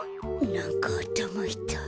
なんかあたまいたい。